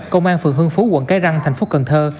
công an phường hương phú quận cái răng thành phố cần thơ